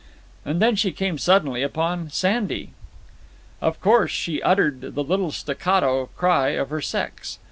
And then she came suddenly upon Sandy! Of course she uttered the little staccato cry of her sex.